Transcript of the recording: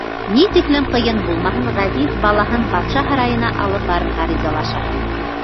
Ни тиклем ҡыйын булмаһын, ғәзиз балаһын батша һарайына алып барырға ризалаша.